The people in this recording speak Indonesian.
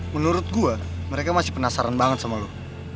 menurut gue mereka masih penasaran banget sama lo